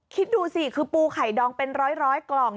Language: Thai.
คิดดูสิคือปูไข่ดองเป็นร้อยกล่อง